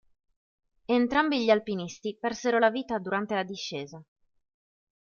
Entrambi gli alpinisti persero la vita durante la discesa.